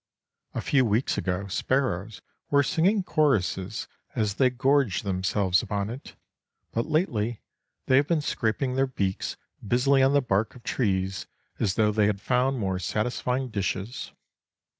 A few weeks ago sparrows were singing choruses as they gorged themselves upon it, but lately they have been scraping their beaks busily on the bark of trees as though they had found more satisfying dishes.